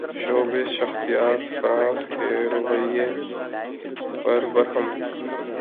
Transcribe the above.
showbiz شخصیات France کے رویے پر برہم